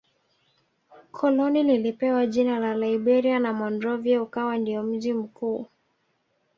Koloni lilipewa jina la Liberia na Monrovia ukawa ndio mji mkuu